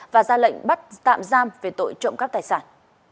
và ra lệnh bắt tạm giam về tội trộm cắp tài sản